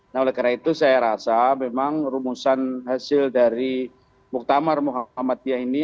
nah oleh karena itu saya rasa memang rumusan hasil dari muktamar muhammadiyah ini